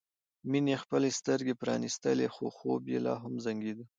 مينې خپلې سترګې پرانيستلې خو خوب یې لا هم زنګېده